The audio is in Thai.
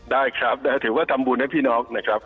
ได้ครับถือว่าทำบุญให้พี่น้องนะครับ